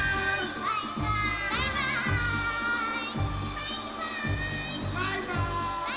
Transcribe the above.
バイバーイ！